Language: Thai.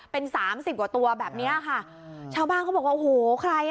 เป็น๓๐กว่าตัวแบบนี้ชาวบ้านก็บอกว่าโอ้โฮ